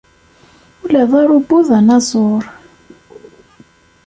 Ula d arubu d anaẓur!